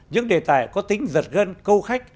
những đề tài có tính giật gân câu khách